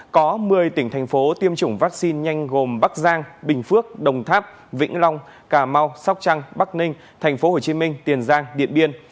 có một mươi tỉnh thành phố tiêm chủng vaccine nhanh gồm bắc giang bình phước đồng tháp vĩnh long cà mau sóc trăng bắc ninh tp hcm tiền giang điện biên